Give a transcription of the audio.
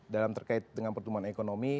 dalam terkait dengan pertumbuhan ekonomi